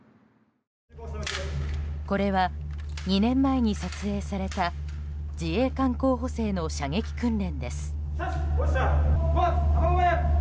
これは、２年前に撮影された自衛官候補生の射撃訓練です。